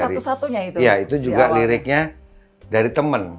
iya itu juga liriknya dari teman